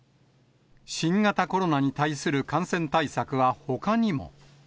新型コロナに対する感染対策はほかにも。